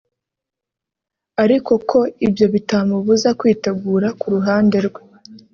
ariko ko ibyo bitamubuza kwitegura ku ruhande rwe